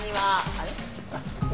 あれ？